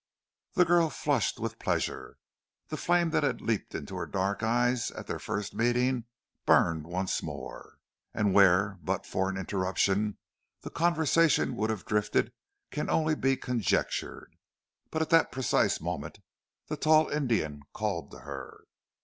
The girl flushed with pleasure. The flame that had leapt in her dark eyes at their first meeting burned once more, and where, but for an interruption, the conversation would have drifted can only be conjectured. But at that precise moment the tall Indian called to her.